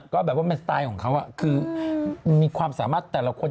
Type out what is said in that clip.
ก็แบบว่ามันสไตล์ของเขาคือมีความสามารถแต่ละคน